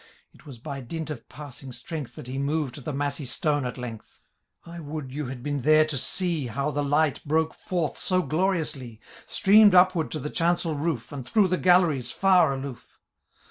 It was bj dint of pasing strength. That he moved the massy stone at length. I would you had been there, to see How the light broke forth so gloriously. Streamed upward to the chancel roof. And through the galleries far aloof!